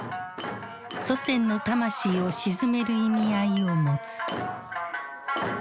祖先の魂を鎮める意味合いを持つ。